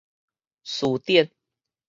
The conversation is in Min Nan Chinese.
詞典